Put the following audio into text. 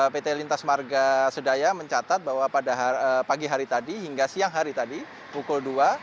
pt lintas marga sedaya mencatat bahwa pada pagi hari tadi hingga siang hari tadi pukul dua